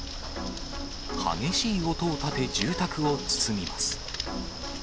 激しい音を立て、住宅を包みます。